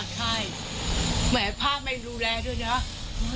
ใช่หมายภาพไม่ดูแลด้วยนะ